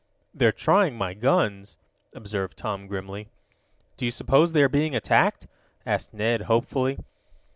"They're trying my guns," observed Tom grimly. "Do you suppose they are being attacked?" asked Ned, hopefully.